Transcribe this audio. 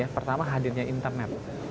pertama hadirnya internet